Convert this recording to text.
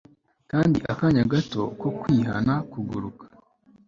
Kandi akanya gato ko kwihana kuguruka